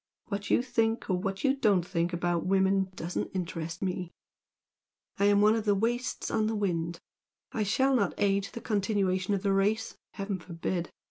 What you think or what you don't think about women doesn't interest me. I'm one of the 'wastes on the wind!' I shall not aid in the continuation of the race, heaven forbid!